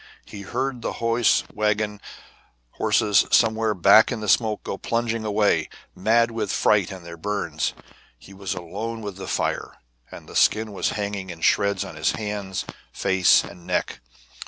He heard the hose wagon horses somewhere back in the smoke go plunging away, mad with fright and their burns. He was alone with the fire, and the skin was hanging in shreds on his hands, face, and neck.